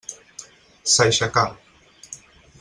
S'aixecà.